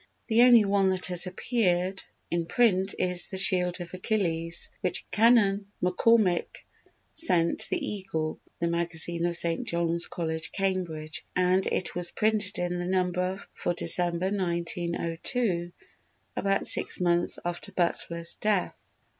The only one that has appeared in print is "The Shield of Achilles," which Canon McCormick sent to The Eagle, the magazine of St. John's College, Cambridge, and it was printed in the number for December 1902, about six months after Butler's death.